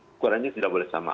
ukurannya tidak boleh sama